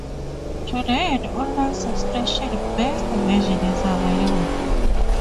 Today an online subscription-based version is available.